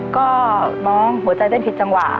ก็น้องหัวใจเต้นผิดจังหวะ